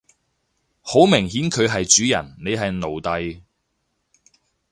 好明顯佢係主人你係奴隸